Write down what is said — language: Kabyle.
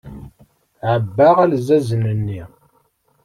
Ɛebbaɣ alzazen-nni.